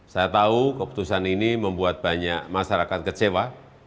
saya tahu keputusan ini membuat banyak masyarakat kecewa